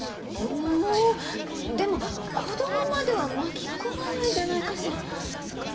うんでも子供までは巻き込まないんじゃないかしら？